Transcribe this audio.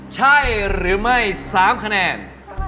ใช่หรือไม่๓คะแนน